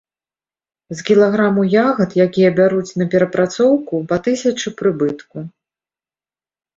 З кілаграму ягад, якія бяруць на перапрацоўку, па тысячы прыбытку.